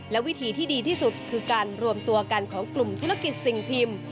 และวิธีที่ดีที่สุดคือการรวมตัวกันของกลุ่มธุรกิจสิ่งพิมพ์